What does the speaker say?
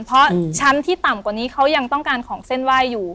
เพราะชั้นที่ต่ำกว่านี้เขายังต้องการของเส้นไหว้อยู่